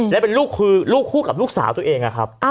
แล้วเป็นลูกคู่กับลูกสาวตัวเอง